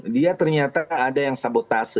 dia ternyata ada yang sabotase